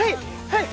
はい。